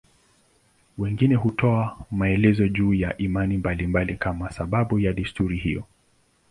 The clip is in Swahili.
Wengine hutoa maelezo juu ya imani mbalimbali kama sababu ya desturi hiyo.